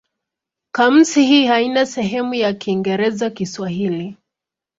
Kamusi hii haina sehemu ya Kiingereza-Kiswahili.